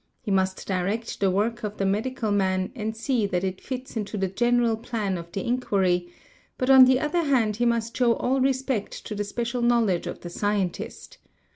He must direct the work of the : medical man and see that it fits into the general plan of the inquiry, but — on the other hand he must show all respect to the special knowledge of | the scientist.